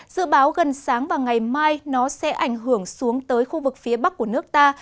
dự báo gần sáng và ngày mai nó sẽ ảnh hưởng xuống tới khu vực phía bắc của nước ta